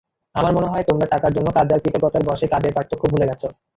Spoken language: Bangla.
আমার মনে হয় তোমরা টাকার জন্য কাজ আর কৃতজ্ঞতার বশে কাজের পার্থক্য ভুলে গেছো।